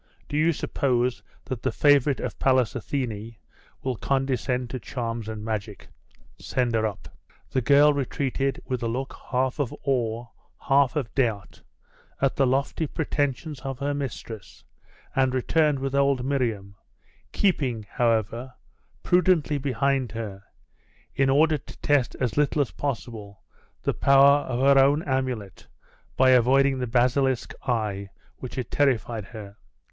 Do you suppose that the favourite of Pallas Athene will condescend to charms and magic? Send her up.' The girl retreated, with a look half of awe, half of doubt, at the lofty pretensions of her mistress, and returned with old Miriam, keeping, however, prudently behind her, in order to test as little as possible the power of her own amulet by avoiding the basilisk eye which had terrified her.